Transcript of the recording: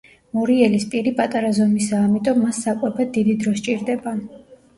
მორიელის პირი პატარა ზომისაა, ამიტომ მას საკვებად დიდი დრო სჭირდება.